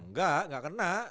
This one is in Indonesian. enggak enggak kena